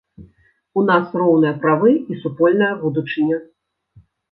У нас роўныя правы і супольная будучыня.